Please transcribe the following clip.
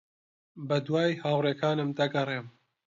بەدوای ھاوڕێکانم دەگەڕێم.